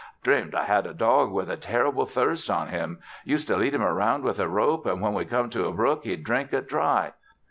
"Dreamed I had a dog with a terrible thirst on him. Used to lead him around with a rope an' when we come to a brook he'd drink it dry.